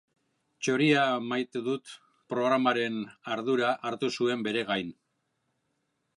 Txoria dut maite programaren ardura hartu zuen bere gain.